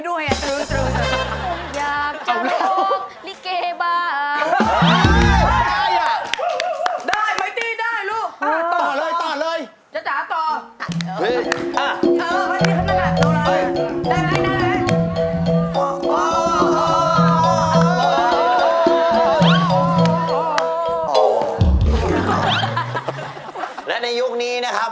แล้วจะไปไหนล่ะ